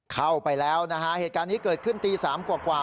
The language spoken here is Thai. เข้าไปแล้วนะฮะเหตุการณ์นี้เกิดขึ้นตีสามกว่า